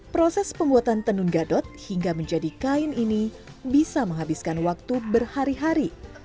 proses pembuatan tenun gadot hingga menjadi kain ini bisa menghabiskan waktu berhari hari